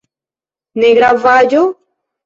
Ne gravaĵo?